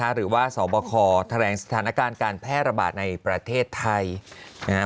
หรือว่าสบคแถลงสถานการณ์การแพร่ระบาดในประเทศไทยนะฮะ